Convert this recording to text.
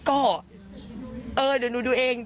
เอ้อเดี๋ยวหนูดูเอง